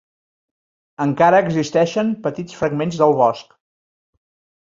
Encara existeixen petits fragments del bosc.